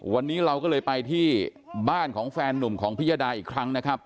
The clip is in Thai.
วันนี้เราก็เลยไปที่บ้านของแฟนนุ่มของพิยดาอีกครั้งนะครับ